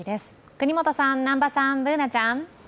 國本さん、南波さん、Ｂｏｏｎａちゃん。